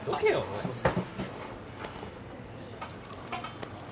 すいません。